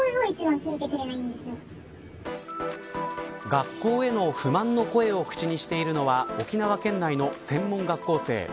学校への不満の声を口にしているのは沖縄県内の専門学校生。